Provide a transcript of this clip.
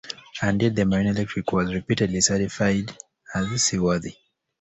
And yet, the "Marine Electric" was repeatedly certified as seaworthy.